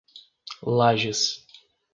Lajes